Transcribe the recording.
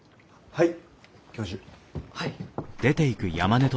はい。